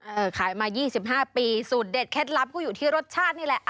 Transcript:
ขายมา๒๕ปีสูตรเด็ดเคล็ดลับก็อยู่ที่รสชาตินี่แหละ